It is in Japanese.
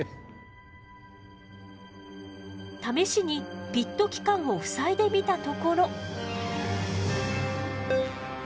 試しにピット器官をふさいでみたところ。